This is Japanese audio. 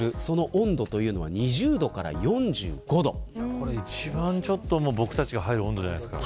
これ一番、僕たちが入る温度じゃないですか。